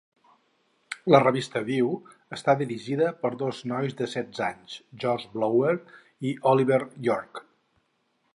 La revista View està dirigida per dos nois de setze anys, George Blower i Oliver Yorke.